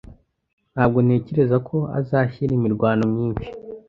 Ntabwo ntekereza ko azashyira imirwano myinshi.